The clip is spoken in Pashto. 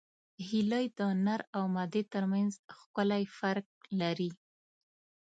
هیلۍ د نر او مادې ترمنځ ښکلی فرق لري